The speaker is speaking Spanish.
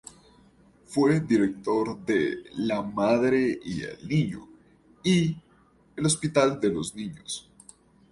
Fue director de "La Madre y el Niño" y "El Hospital de los Niños".